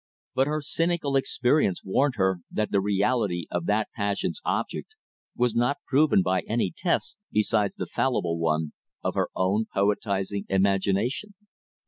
But her cynical experience warned her that the reality of that passion's object was not proven by any test besides the fallible one of her own poetizing imagination.